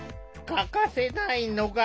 欠かせないのが。